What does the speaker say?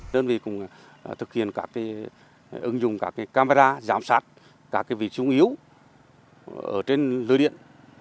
đơn vị cũng thực hiện các ứng dụng các camera giám sát các vị trí yếu trên lưới điện